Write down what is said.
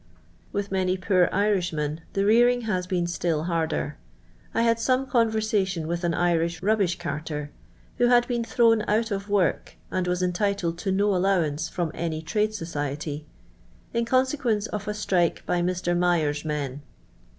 " With ni.anypoor Irishmen the roaring has been still harder. I had some conversation with an Irish ruhbiih carter. who had l»een thrown out of I work (and was entitled to no allowance from any trade society) in consequence of a strike by Mr. Myers's men.